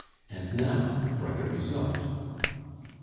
And now for the result.